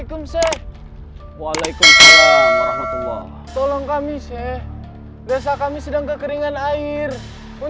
kami dan warga desa bakal mati kehausan